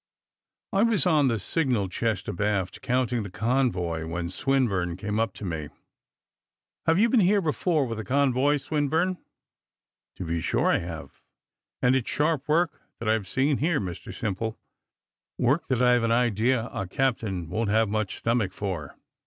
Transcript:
I was on the signal chest abaft, counting the convoy, when Swinburne came up to me. "Have you been here before, with a convoy, Swinburne?" "To be sure I have; and it's sharp work that I've seen here, Mr Simple. Work, that I've an idea our captain won't have much stomach for."